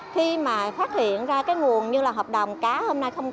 khi mà phát hiện ra cái nguồn như là hợp đồng cá hôm nay không có